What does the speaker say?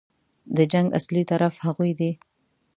د جنګ اصلي طرف هغوی دي.